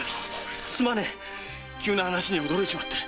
すまねぇ急な話に驚いちまって。